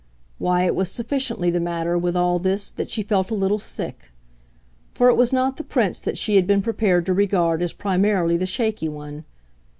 why, it was sufficiently the matter, with all this, that she felt a little sick. For it was not the Prince that she had been prepared to regard as primarily the shaky one.